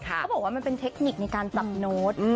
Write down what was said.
เขาบอกว่ามันเป็นเทคนิคในการจับโน้ต